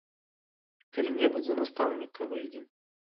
Калі-небудзь за настаўніка выйдзе.